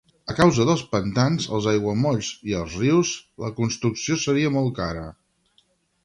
A causa dels pantans, els aiguamolls i els rius, la construcció seria molt cara.